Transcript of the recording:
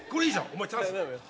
お前チャンスだよ。